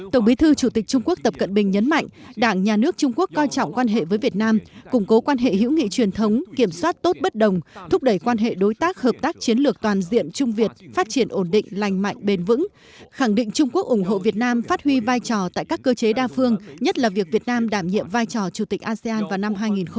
tổng bí thư chủ tịch trung quốc tập cận bình nhấn mạnh đảng nhà nước trung quốc coi trọng quan hệ với việt nam củng cố quan hệ hữu nghị truyền thống kiểm soát tốt bất đồng thúc đẩy quan hệ đối tác hợp tác chiến lược toàn diện trung việt phát triển ổn định lành mạnh bền vững khẳng định trung quốc ủng hộ việt nam phát huy vai trò tại các cơ chế đa phương nhất là việc việt nam đảm nhiệm vai trò chủ tịch asean vào năm hai nghìn hai mươi